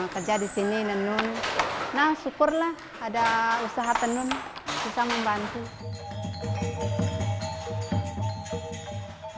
kerja di sini nenun nah syukurlah ada usaha tenun bisa membantu